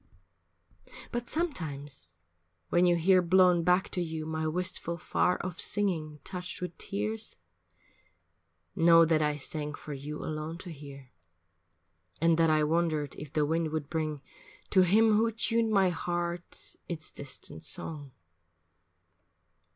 But sometimes when you hear blown back to you My wistful, far off singing touched with tears, Know that I sang for you alone to hear, And that I wondered if the wind would bring To him who tuned my heart its distant song.